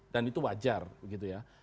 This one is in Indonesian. dan itu wajar gitu ya